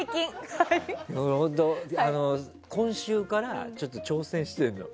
今週からちょっと挑戦してるのよ。